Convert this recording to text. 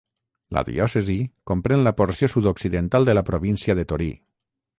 La diòcesi comprèn la porció sud-occidental de la província de Torí.